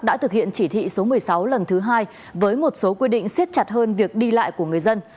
đã thực hiện chỉ thị số một mươi sáu lần thứ hai với một số quy định siết chặt hơn việc đi lại của người dân